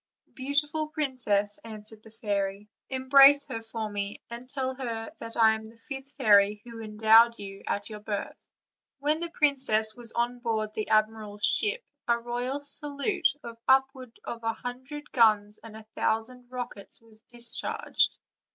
"Beautiful princess," answered the fairy, "embrace her for me, and tell her that I am the fifth fairy who endowed you at your birth." When the princess was on board the admiral's ship a royal salute, of upward of a hundred guns and a thou sand rockets, was discharged.